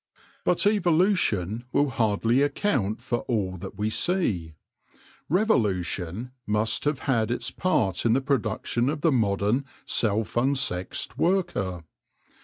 But evolution will hardly account for all that we see : revolution must have had its part in the production of the modern self unsexed worker.